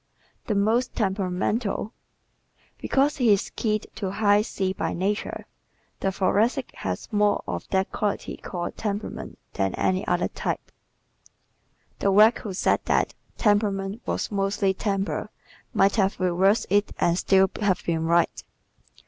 The Most Temperamental ¶ Because he is keyed to high C by nature, the Thoracic has more of that quality called temperament than any other type. The wag who said that "temperament was mostly temper" might have reversed it and still have been right.